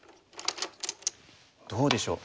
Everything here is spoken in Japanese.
どうでしょう？